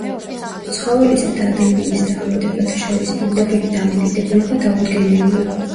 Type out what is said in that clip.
ცხოველისა და ადამიანის დაავადებათა შორის პირდაპირი დამოკიდებულება დაუდგენელია.